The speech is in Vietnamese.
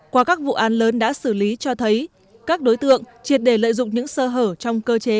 qua các vụ án lớn đã xử lý cho thấy các đối tượng triệt để lợi dụng những sơ hở trong cơ chế